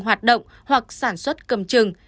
hoạt động hoặc sản xuất cầm chừng